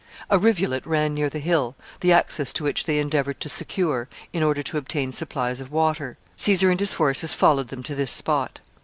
A rivulet ran near the hill, the access to which they endeavored to secure, in order to obtain supplies of water. Caesar and his forces followed them to this spot.